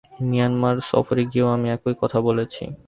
Myanmar সফরে গিয়েও আমি একই কথা বলেছি।